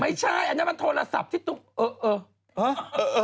อันนั้นมันโทรศัพท์ที่ตุ๊กเออ